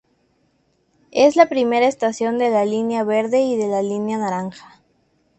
Es la primera estación de la Línea Verde y de la Línea Naranja.